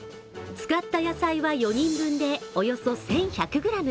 使った野菜は４人分で、およそ１１００ｇ。